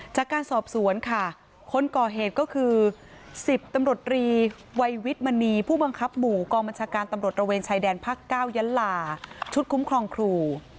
จากการสอบสวนค่ะคนก่อเหตุก็คือ๑๐ตำรวจรีวัยวิทย์มณีผู้บังคับหมู่กองบัญชาการตำรวจระเวนชายแดนภาค๙ยันลาชุดคุ้มครองครู